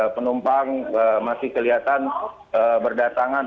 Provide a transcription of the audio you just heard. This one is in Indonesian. penumpang masih kelihatan berdatangan